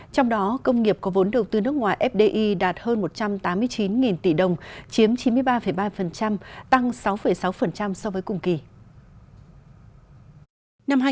trong đó công nghiệp có vốn đầu tư nước ngoài fdi đạt hơn một trăm tám mươi chín tỷ đồng chiếm chín mươi ba ba tăng sáu sáu so với cùng kỳ